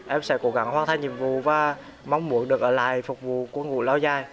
em sẽ cố gắng hoàn thành nhiệm vụ và mong muốn được ở lại phục vụ quân ngũ lao dài